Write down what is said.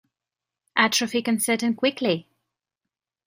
Atrophy can set in quickly.